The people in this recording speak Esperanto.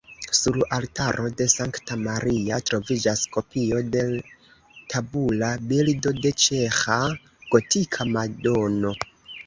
Sur altaro de Sankta Maria troviĝas kopio de tabula bildo de ĉeĥa gotika Madono.